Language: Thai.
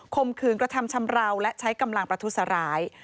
มขืนกระทำชำราวและใช้กำลังประทุษร้าย